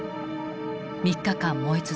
３日間燃え続け